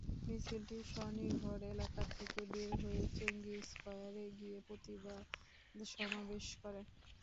মিছিলটি স্বনির্ভর এলাকা থেকে বের হয়ে চেঙ্গী স্কোয়ারে গিয়ে প্রতিবাদ সমাবেশ করে।